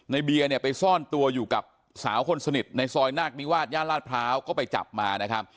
เบียร์เนี่ยไปซ่อนตัวอยู่กับสาวคนสนิทในซอยนาคนิวาสย่านลาดพร้าวก็ไปจับมานะครับ